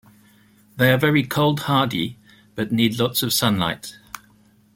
They are very cold-hardy, but need lots of sunlight.